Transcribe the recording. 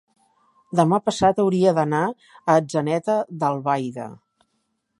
Demà passat hauria d'anar a Atzeneta d'Albaida.